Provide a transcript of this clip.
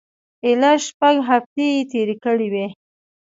ایله شپږ هفتې یې تېرې کړې وې.